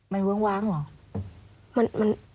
มันเวิ้งว้างเหรอ